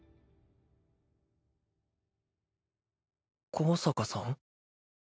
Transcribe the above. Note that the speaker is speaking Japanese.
香坂さん？